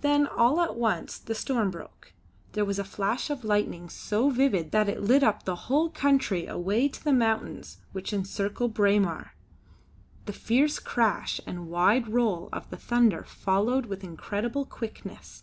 Then all at once the storm broke. There was a flash of lightning so vivid that it lit up the whole country away to the mountains which encircle Braemar. The fierce crash and wide roll of the thunder followed with incredible quickness.